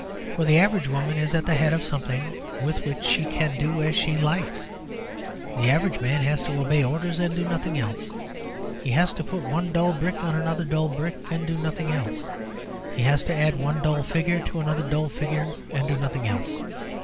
For the average woman is at the head of something with which she can do as she likes; the average man has to obey orders and do nothing else. He has to put one dull brick on another dull brick, and do nothing else; he has to add one dull figure to another dull figure, and do nothing else.